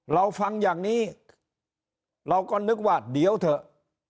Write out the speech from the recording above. เราฟังอย่างนี้เราก็นึกว่าเดี๋ยวเถอะ